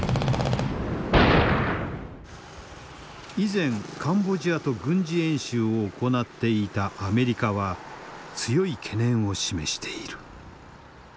以前カンボジアと軍事演習を行っていたアメリカは強い懸念を示している。